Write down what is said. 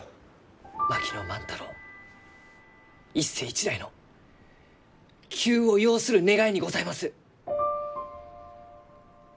槙野万太郎一世一代の急を要する願いにございます！